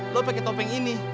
lo pake topeng ini